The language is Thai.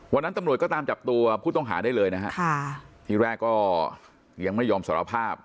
วันนั้นตำรวจก็ตามจับตัวผู้ต้องหาได้เลยนะฮะค่ะทีแรกก็ยังไม่ยอมสารภาพ